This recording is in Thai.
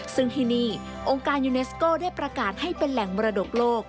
ซึ่งที่นี่องค์การยูเนสโก้ได้ประกาศให้เป็นแหล่งมรดกโลก